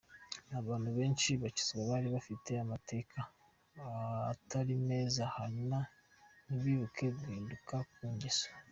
Abantu benshi bakizwa bari bafite amateka atari meza hanyuma ntibibuke guhinduka ku ngeso.